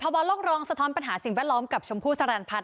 เขาติดภวร้อนรกรองสะท้อนปัญหาสิ่งแวดล้อมกับชมพูสลัดพัด